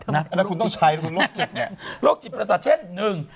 อันนั้นคุณต้องใช้โรคจิตประสาทเช่น๑